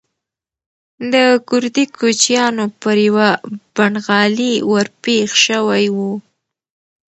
د کوردي کوچیانو پر یوه پنډغالي ورپېښ شوی و.